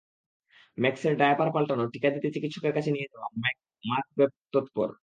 ম্যাক্সের ডায়াপার পাল্টানো, টিকা দিতে চিকিৎসকের কাছে নিয়ে যাওয়া—মার্ক ব্যাপক তৎপর।